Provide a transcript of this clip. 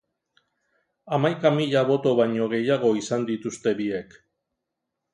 Hamaika mila boto baino gehiago izan dituzte biek.